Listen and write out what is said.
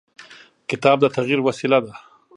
کتاب د تغیر وسیله ده.